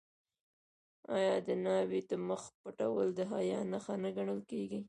آیا د ناوې د مخ پټول د حیا نښه نه ګڼل کیږي؟